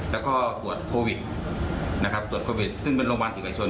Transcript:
แล้วก็ตรวจโครวิดนะครับตรวจโครวิดซึ่งเป็นรางวัลถูกไอชน